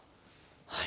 はい。